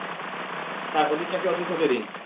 Sir, অতীতটাকে অতীত হতে দিন।